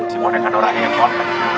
si oneka doranya yang sopan